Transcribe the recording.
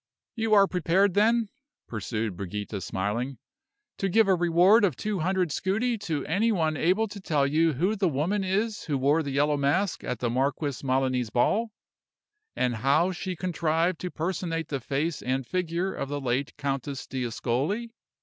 "You are prepared, then," pursued Brigida, smiling, "to give a reward of two hundred scudi to any one able to tell you who the woman is who wore the yellow mask at the Marquis Melani's ball, and how she contrived to personate the face and figure of the late Countess d'Ascoli?"